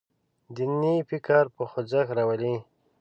دیني فکر په خوځښت راولي.